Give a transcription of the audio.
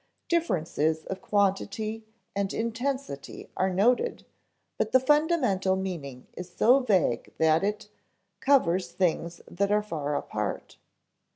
Differences of quantity and intensity are noted, but the fundamental meaning is so vague that it covers things that are far apart.